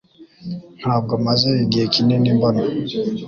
Ntabwo maze igihe kinini mbona